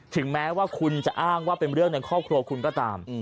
ถึงแม้ว่าคุณจะอ้างว่าเป็นเรื่องในครอบครัวคุณก็ตาม